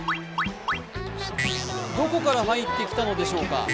どこから入ってきたのでしょうか。